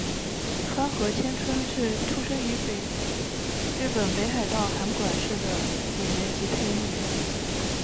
川合千春是出身于日本北海道函馆市的演员及配音员。